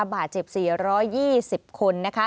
บาดเจ็บ๔๒๐คน